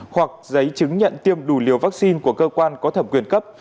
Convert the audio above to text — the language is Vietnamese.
hoặc giấy chứng nhận tiêm đủ liều vắc xin của cơ quan có thẩm quyền cấp